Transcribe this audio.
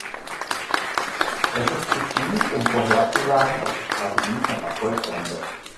Es ist zu früh, um vorherzusagen, ob die Strategie von Erfolg sein wird.